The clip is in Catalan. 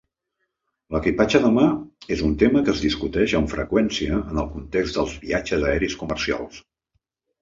L'equipatge de mà és un tema que es discuteix amb freqüència en el context dels viatges aeris comercials.